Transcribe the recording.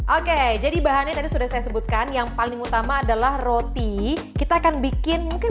oke jadi bahannya tadi sudah saya sebutkan yang paling utama adalah roti kita akan bikin mungkin